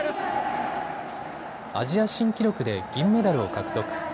アジア新記録で銀メダルを獲得。